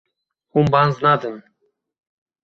Hûn baz nadin.